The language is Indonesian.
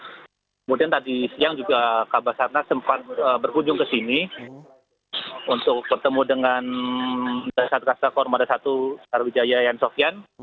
kemudian tadi siang juga kabar sana sempat berkunjung ke sini untuk bertemu dengan dasar dasar korma dasar satu sarwijaya yen sofyan